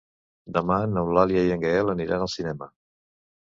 Demà n'Eulàlia i en Gaël aniran al cinema.